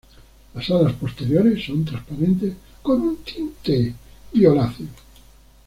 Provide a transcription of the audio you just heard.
Las alas posteriores son transparentes con un tinte violáceo.